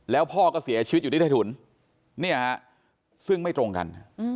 แล้วพ่อก็เสียชีวิตอยู่ที่ใต้ถุนเนี่ยฮะซึ่งไม่ตรงกัน